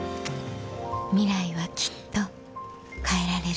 ミライはきっと変えられる